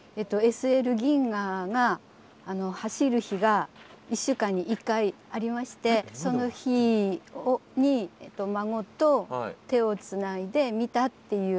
ＳＬ銀河が走る日が１週間に１回ありましてその日に孫と手をつないで見たっていう句です。